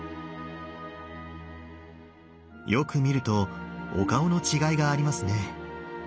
よく見るとお顔の違いがありますね。